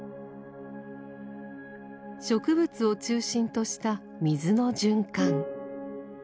植物を中心とした水の循環。